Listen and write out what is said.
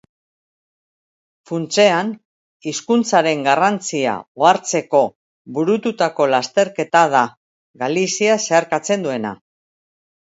Funtsean, hizkuntzaren garrantzia ohartzeko burututako lasterketa da, Galizia zeharkatzen duena.